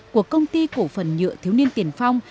của công ty cổ phần nhựa thiếu niên tiền phong